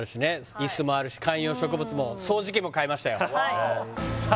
椅子もあるし観葉植物も掃除機も買いましたよさあ